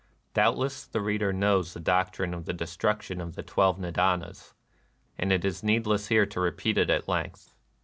Doubtless the reader knows the doctrine of the destruction of the twelve Nida nas ; and it is needless here to repeat it at length.